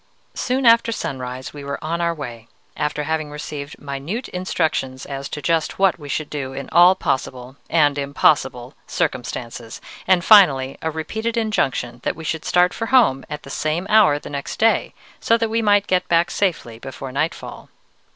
"Soon after sunrise we were on our way, after having received minute instructions as to just what we should do in all possible and impossible circumstances, and finally a repeated injunction that we should start for home at the same hour the next day, so that we might get safely back before nightfall.